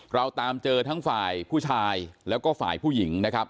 เราตามเจอทั้งฝ่ายผู้ชายแล้วก็ฝ่ายผู้หญิงนะครับ